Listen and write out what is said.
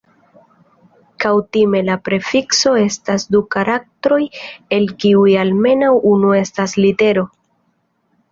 Kutime la prefikso estas du karaktroj el kiuj almenaŭ unu estas litero.